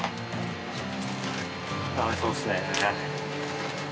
ダメそうですね。